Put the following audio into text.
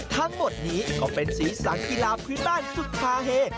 ทั้งหมดนี้ก็เป็นศีลสังคิลาพฤตาลสุภาเหตุ